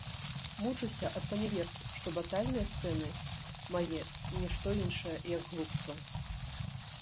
Мучуся ад паняверкі, што батальныя сцэны мае не што іншае, як глупства.